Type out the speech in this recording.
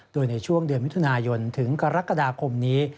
โดยในช่วงเดือนมิถุนายนถึงกรกฎาคมนี้